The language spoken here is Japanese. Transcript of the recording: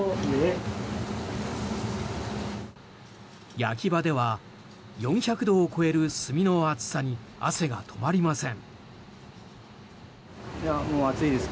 焼き場では４００度を超える炭の熱さに汗が止まりません。